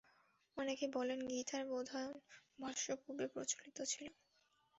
অনেকে বলেন, গীতার বোধায়ন-ভাষ্য পূর্বে প্রচলিত ছিল।